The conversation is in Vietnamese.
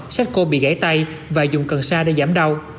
shekko bị gãy tay và dùng cần sa để giảm đau